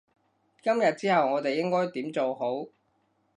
今日之後我哋應該點做好？